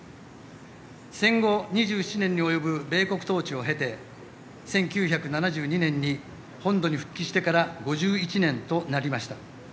戦後２７年に及ぶ米国統治を経て１９７２年に本土に復帰してから５１年となりました。